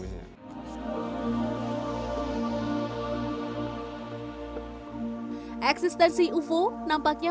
eksistensi ufo nampaknya